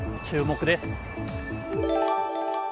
注目です。